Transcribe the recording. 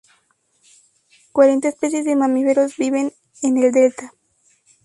Cuarenta especies de mamíferos viven en el Delta.